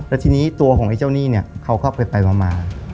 แล้วทีนี้ตัวของไอ้เจ้าหนี้เนี่ยเขาก็ไปมา